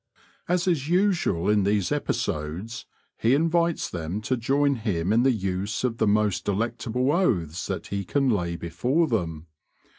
As is usual in these episodes, he invites them to join him in the use of the most delectable oaths that he can lay before them.